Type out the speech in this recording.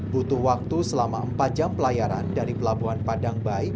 butuh waktu selama empat jam pelayaran dari pelabuhan padang baik